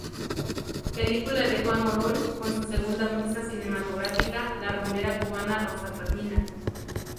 Película de Juan Orol con su segunda musa cinematográfica, la rumbera cubana Rosa Carmina.